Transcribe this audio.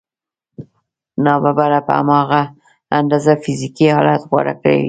ناببره په هماغه اندازه فزيکي حالت غوره کوي.